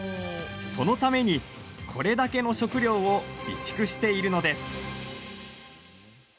そのために、これだけの食料を備蓄しているのです。